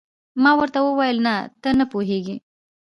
ما ورته وویل: نه، ته نه پوهېږې.